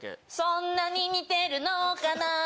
そんなに似てるのかな